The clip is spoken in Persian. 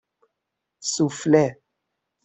سوفله